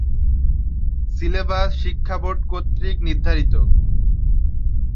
Syllabus শিক্ষাবোর্ড কর্তৃক নির্ধারিত।